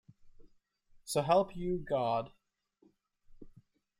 So help you God.